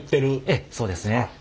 ええそうですね。